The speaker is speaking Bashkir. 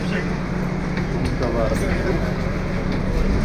Сумкалар юҡ!